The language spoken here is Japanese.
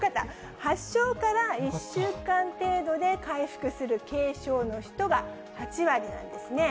発症から１週間程度で回復する軽症の人は８割なんですね。